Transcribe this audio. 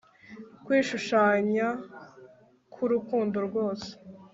Kwishushanya kwurukundo rwose